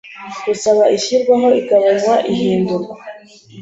Gusaba ishyirwaho igabanywa ihindurwa